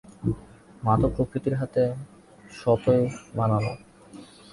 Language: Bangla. মা তো প্রকৃতির হাতে স্বতই বানানো।